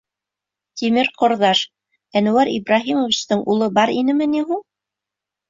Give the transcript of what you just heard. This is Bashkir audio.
Тимер ҡорҙаш, Әнүәр Ибраһимовичтың улы бар инеме ни һуң?